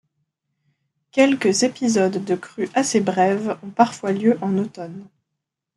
Quelques épisodes de crue assez brève ont parfois lieu en automne.